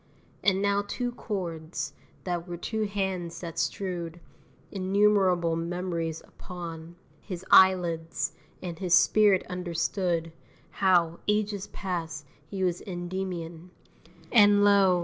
And now two chords, that were two hands that strewed Innumerable memories upon His eyelids and his spirit understood How, ages past, he was Endymion, And, lo!